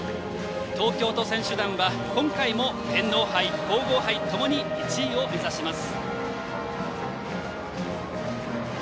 東京都選手団は今回も天皇杯、皇后杯ともに１位を目指します。